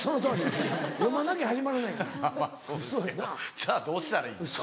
じゃあどうしたらいいんですか？